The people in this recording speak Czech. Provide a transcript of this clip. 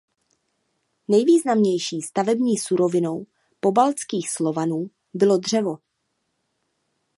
Nejvýznamnější stavební surovinou Polabských Slovanů bylo dřevo.